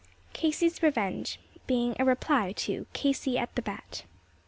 _ Casey's Revenge _(Being a reply to "Casey at the Bat.")